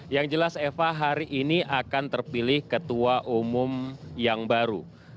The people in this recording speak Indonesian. yang jelas eva hari ini akan terpilih ketua umum yang baru